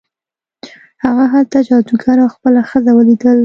هغه هلته جادوګر او خپله ښځه ولیدل.